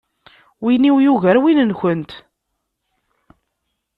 Win-iw yugar win-nkent.